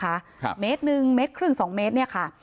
ครับเมตรหนึ่งเมตรครึ่งสองเมตรเนี้ยค่ะ